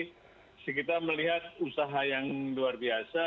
kita melihat usaha yang luar biasa